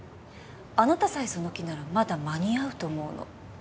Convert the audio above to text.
あなたさえその気ならまだ間に合うと思うの。